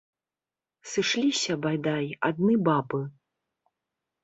Сышліся бадай адны бабы.